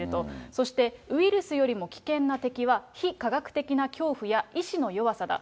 そして、ウイルスよりも危険な敵は、非科学的な恐怖や意志の弱さだ。